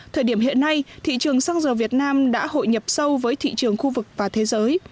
thời điểm hiện nay thị trường xăng dầu việt nam đã hội nhập sâu với thị trường khu vực và thế giới